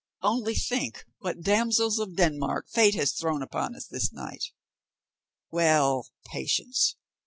Only think, what damsels of Denmark fate has thrown upon us this night. Well, patience!